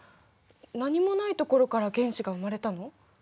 何もないところから原子が生まれたの？